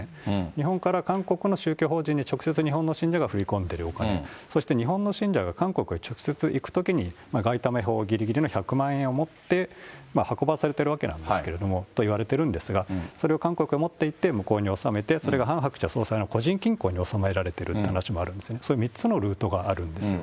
日本から韓国の宗教法人に直接日本の信者が振り込んでるお金、そして日本の信者が韓国に直接行くときに、外為法ぎりぎりの１００万円を持って、運ばされてるわけなんですけれども、といわれてるんですが、それを韓国へ持っていって、向こうに収めて、それがハン・ハクチャ総裁の個人金庫におさめられてるって話もあるんですね、そういう３つのルートがあるんですよ。